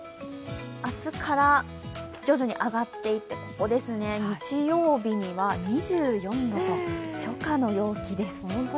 明日から徐々に上がっていって日曜日には２４度と初夏の陽気です。